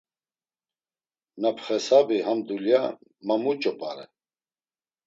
Na pxesabi ham dulya ma muç̌o p̌are?